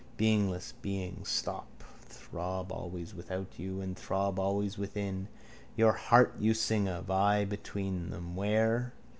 Beingless beings. Stop! Throb always without you and the throb always within. Your heart you sing of. I between them. Where?